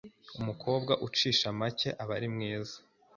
Umukobwa ucisha make aba ari mwiza